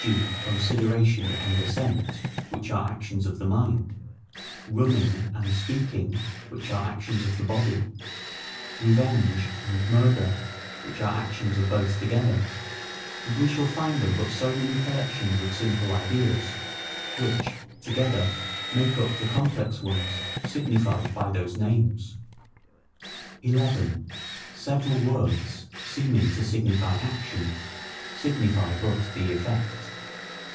g. CONSIDERATION and ASSENT, which are actions of the mind; RUNNING and SPEAKING, which are actions of the body; REVENGE and MURDER, which are actions of both together, and we shall find them but so many collections of simple ideas, which, together, make up the complex ones signified by those names. 11. Several Words seeming to signify Action, signify but the effect.